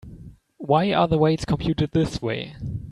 Why are the weights computed this way?